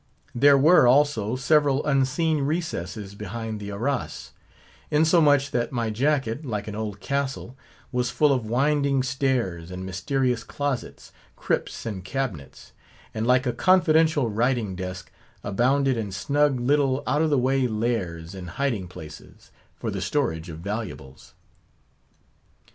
There were, also, several unseen recesses behind the arras; insomuch, that my jacket, like an old castle, was full of winding stairs, and mysterious closets, crypts, and cabinets; and like a confidential writing desk, abounded in snug little out of the way lairs and hiding places, for the storage of valuables.